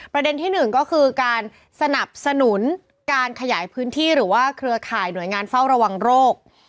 ประเด็นที่หนึ่งก็คือการสนับสนุนการขยายพื้นที่หรือว่าเครือข่ายหน่วยงานเฝ้าระวังโรค